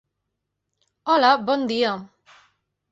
Hola, bon dia.